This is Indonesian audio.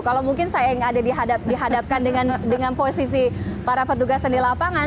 kalau mungkin saya yang ada dihadapkan dengan posisi para petugas yang di lapangan